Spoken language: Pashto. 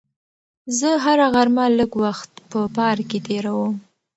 زه هره غرمه لږ وخت په پارک کې تېروم.